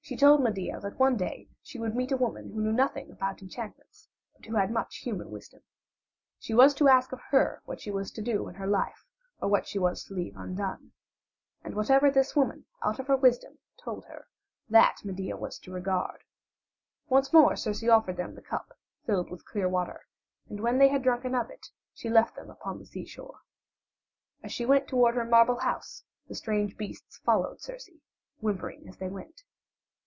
She told Medea that one day she would meet a woman who knew nothing about enchantments but who had much human wisdom. She was to ask of her what she was to do in her life or what she was to leave undone. And whatever this woman out of her wisdom told her, that Medea was to regard. Once more Circe offered them the cup filled with clear water, and when they had drunken of it she left them upon the seashore. As she went toward her marble house the strange beasts followed Circe, whimpering as they went.